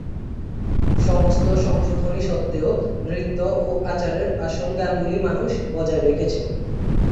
সমস্ত সংশোধনী সত্ত্বেও, নৃত্য ও আচারের আসল গানগুলি মানুষ বজায় রেখেছে।